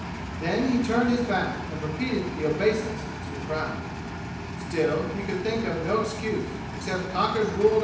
Then he turned his back and repeated the obeisance to the crowd. Still he could think of no excuse, except Cocker's Rule No.